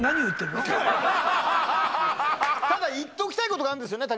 ただ言っておきたいことがあるんですよね